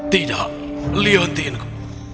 tidak lihatiin ku